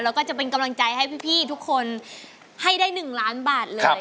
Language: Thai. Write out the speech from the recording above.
แล้วก็จะเป็นกำลังใจให้พี่ทุกคนให้ได้๑ล้านบาทเลย